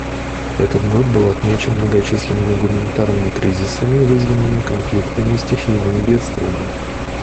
Этот год был отмечен многочисленными гуманитарными кризисами, вызванными конфликтами и стихийными бедствиями.